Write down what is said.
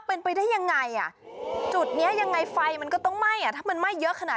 เป็นไปได้ยังไงจุดนี้ยังไงไฟมันก็ต้องไหม้อ่ะ